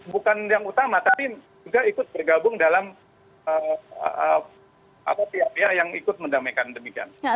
bukan yang utama tapi juga ikut bergabung dalam pihak pihak yang ikut mendamaikan demikian